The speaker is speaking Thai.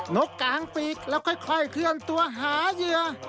นกกลางปีกแล้วค่อยเคลื่อนตัวหาเหยื่อ